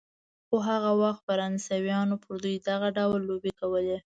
خو هغه وخت فرانسویانو پر دوی دغه ډول لوبې کولې.